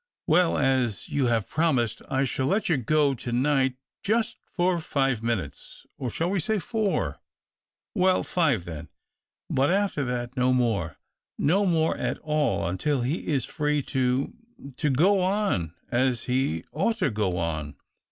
"Well, as you have promised, I shall let you go to night, just for five minutes — or shall we say four ?— well, five then. But, after that, no more — no more at all, until he is free to — to go on as he ought to go on."